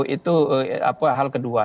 itu hal kedua